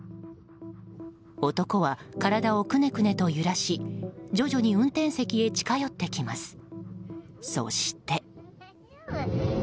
男は、体をくねくねと揺らし徐々に運転席へ近寄ってきます。